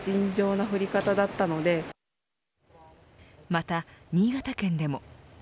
また、新潟県でも。